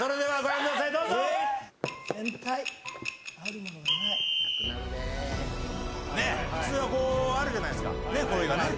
はい！